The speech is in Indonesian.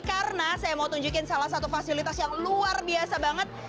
karena saya mau tunjukin salah satu fasilitas yang luar biasa banget